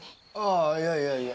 ああいやいやいや。